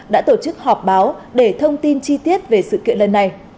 đã tổ chức họp báo để thông tin chi tiết về sự kiện lần này